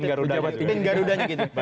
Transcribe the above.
ada pin garudanya gitu